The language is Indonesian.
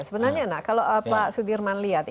sebenarnya kalau pak sudirman lihat